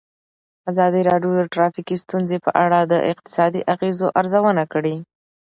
ازادي راډیو د ټرافیکي ستونزې په اړه د اقتصادي اغېزو ارزونه کړې.